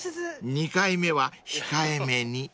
［２回目は控えめに］